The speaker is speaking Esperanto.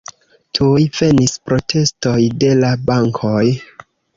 Tuj venis protestoj de la bankoj.